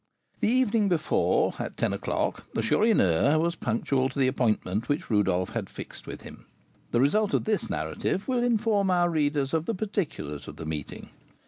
The evening before, at ten o'clock, the Chourineur was punctual to the appointment which Rodolph had fixed with him. The result of this narrative will inform our readers of the particulars of the meeting.